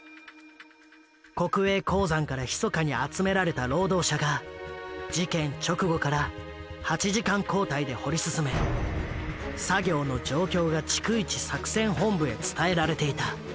国営鉱山からひそかに集められた労働者が事件直後から８時間交代で掘り進め作業の状況が逐一作戦本部へ伝えられていた。